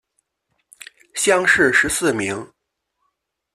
乡试十四名。